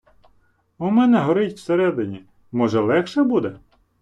У мене горить всередині, може, легше буде?..